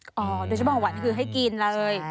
โอ้โหโดยเฉพาะของหวานคือให้กินเลย